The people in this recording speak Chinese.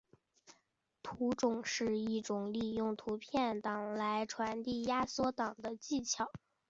图种是一种利用图片档来传递压缩档的技巧。